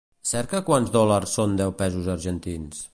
Cerca quants dòlars són deu pesos argentins.